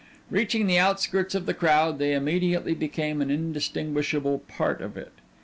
Reaching the outskirts of the crowd they immediately became an indistinguishable part of it.